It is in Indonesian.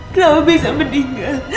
kamu bisa meninggal